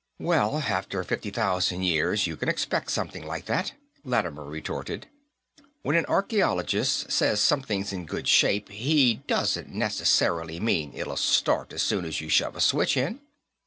"Well, after fifty thousand years, you can expect something like that," Lattimer retorted. "When an archaeologist says something's in good shape, he doesn't necessarily mean it'll start as soon as you shove a switch in."